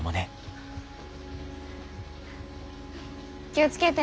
気を付けて。